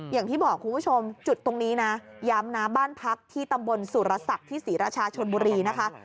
อย่างที่บอกคุณผู้ชมจุดตรงนี้นะย้ำนะบ้านพักที่ตำบลสุรศักดิ์ที่ศรีราชาชนบุรีนะคะ